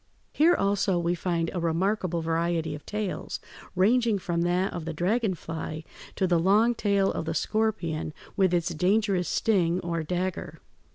Here also we find a remarkable variety of tails, ranging from that of the dragon fly to the long tail of the scorpion with its dangerous sting or dagger.